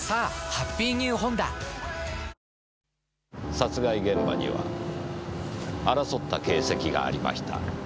殺害現場には争った形跡がありました。